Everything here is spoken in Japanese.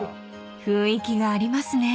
［雰囲気がありますね］